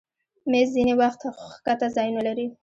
مېز ځینې وخت ښکته ځایونه لري.